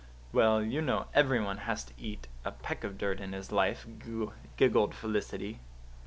"Well, you know every one has to eat a peck of dirt in his life," giggled Felicity.